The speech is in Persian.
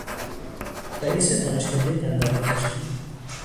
رئیس دانشکدهی دندانپزشکی